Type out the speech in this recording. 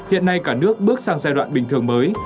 hiện nay cả nước bước sang giai đoạn bình thường mới